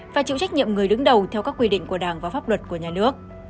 phải chịu trách nhiệm người đứng đầu theo các quy định của đảng và pháp luật của nhà nước